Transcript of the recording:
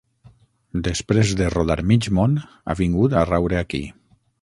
Després de rodar mig món, ha vingut a raure aquí.